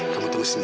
kamu tunggu sini ya